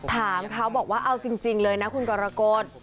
ถามเขาบอกว่าเอาจริงเลยนะคุณกรกฎ